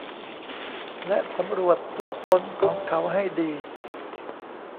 และสำรวจตัวตนของเขาให้ดี